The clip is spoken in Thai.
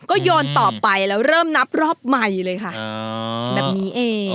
ก็โยนต่อไปแล้วเริ่มนับรอบใหม่เลยค่ะแบบนี้เอง